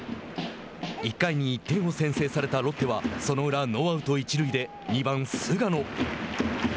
１回に１点を先制されたロッテはその裏、ノーアウト、一塁で２番、菅野。